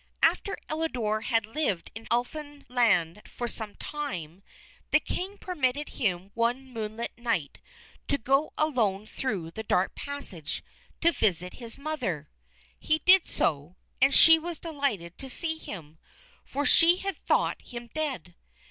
After Elidore had lived in Elfinland for some time, the King permitted him one moonlit night to go alone through the dark passage to visit his mother. He did so, and she was delighted to see him, for she had thought him dead.